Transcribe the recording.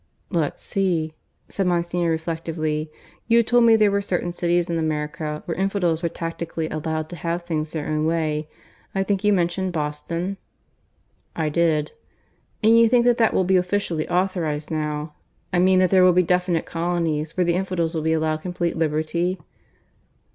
"Let's see," said Monsignor reflectively, "you told me there were certain cities in America where infidels were tacitly allowed to have things their own way I think you mentioned Boston?" "I did." "And you think that that will be officially authorized now I mean that there will be definite colonies where the infidels will be allowed complete liberty?"